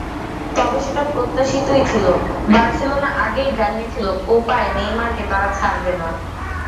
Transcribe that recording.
তবে সেটা প্রত্যাশিতই ছিল, বার্সেলোনা আগেই জানিয়েছিল কোপায় নেইমারকে তারা ছাড়বে না।